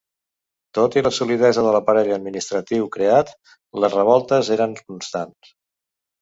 Tot i la solidesa de l'aparell administratiu creat, les revoltes eren constants.